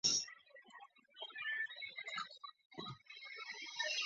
县治切斯特菲尔德。